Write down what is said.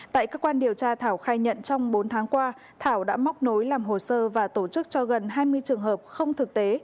tại cơ quan điều tra thảo khai nhận trong bốn tháng qua thảo đã móc nối làm hồ sơ và tổ chức cho gần hai mươi trường hợp không thực tế